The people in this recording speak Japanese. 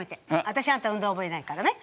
私あんた産んだ覚えないからね。